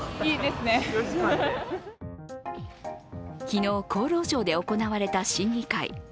昨日、厚労省で行われた審議会。